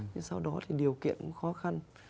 nhưng sau đó thì điều kiện khó khăn